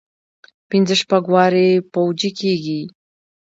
پنځه شپږ وارې پوجي کېږي.